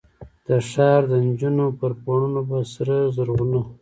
د ښار دنجونو پر پوړونو به، سره زرغونه،